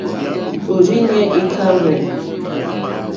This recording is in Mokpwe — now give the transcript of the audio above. Òrzìɲɛ́ î kàhwé.